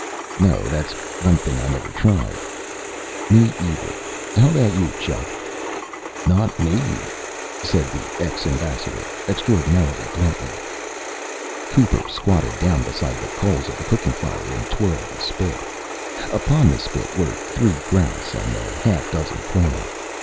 "No, that's one thing I never tried." "Me, either. How about you, Chuck?" "Not me," said the ex ambassador extraordinary bluntly. Cooper squatted down beside the coals of the cooking fire and twirled the spit. Upon the spit were three grouse and half a dozen quail.